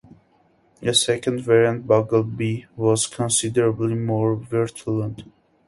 A second variant, Bagle.B, was considerably more virulent.